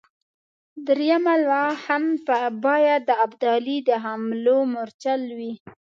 درېمه لواء هم باید د ابدالي د حملو مورچل وي.